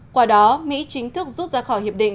qua đó mỹ chính thức rút ra khỏi hiệp định